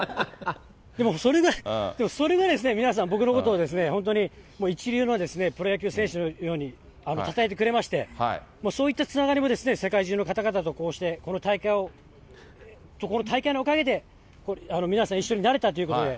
でもそれぐらい、それぐらい皆さん、僕のことを本当に一流のプロ野球選手のようにたたえてくれまして、そういったつながりも世界中の方々とこうして、この大会を、この大会のおかげで、皆さん一緒になれたということで、